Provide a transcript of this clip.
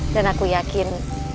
dan aku yakin